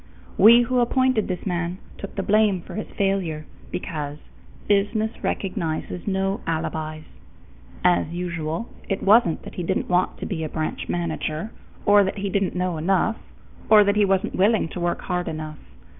We who appointed this man took the blame for his failure, because business recognizes no alibis. As usual, it wasn't that he didn't want to be a branch manager, or that he didn't know enough, or that he wasn't willing to work hard enough.